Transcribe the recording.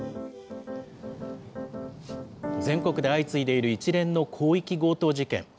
全国で相次いでいる一連の広域強盗事件。